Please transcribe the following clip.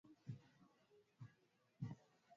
Kijana huyu, kwa maoni yangu, hafai kuwa baba wa familia.